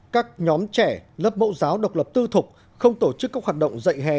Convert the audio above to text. các nhóm trẻ lớp mẫu giáo độc lập tư thục không tổ chức các hoạt động dạy hè